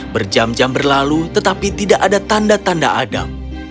berjam jam berlalu tetapi tidak ada tanda tanda adam